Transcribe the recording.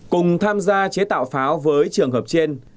cùng tham gia chế tạo pháo với trường hợp trên